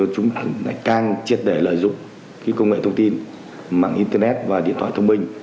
chúng triệt để lợi dụng công nghệ thông tin mạng internet và điện thoại thông minh